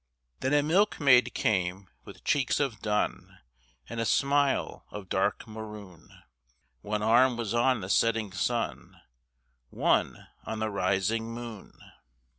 Then a milkmaid came with cheeks of dun And a smile of dark maroon, One arm was on the setting sun, One on the rising moon.